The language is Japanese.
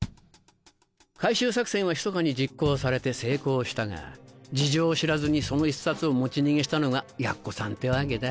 回収作戦はひそかに実行されて成功したが事情を知らずにその一冊を持ち逃げしたのが奴さんってわけだ。